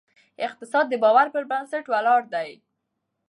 اقتصاد د باور پر بنسټ ولاړ دی.